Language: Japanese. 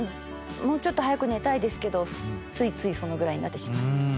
もうちょっと早く寝たいですけどついついそのぐらいになってしまいます。